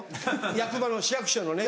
役場の市役所のね。